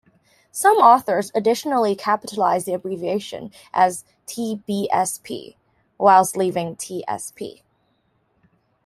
Some authors additionally capitalize the abbreviation, as Tbsp., while leaving tsp.